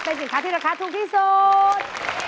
เป็นสินค้าที่ราคาถูกที่สุด